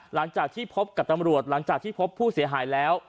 หลังจากที่พบกับตำรวจหลังจากที่พบผู้เสียหายแล้ว